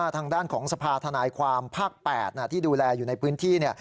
ทางด้านของสภาธนายความภาค๘ที่ดูแลอยู่ในพื้นที่